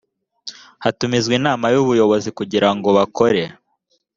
hatumizwa inama y ubuyobozi kugira ngo bakore